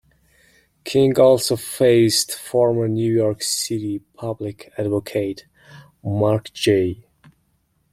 King also faced former New York City Public Advocate Mark J.